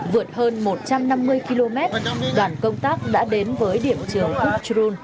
vượt hơn một trăm năm mươi km đoàn công tác đã đến với điểm trường poch trun